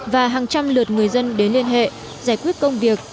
và hàng trăm lượt người dân đến liên hệ giải quyết công việc